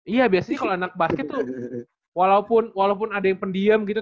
iya biasanya kalau anak basket tuh walaupun ada yang pendiam gitu